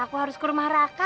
aku harus ke rumah raka